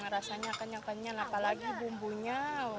rasanya kenyal kenyal apalagi bumbunya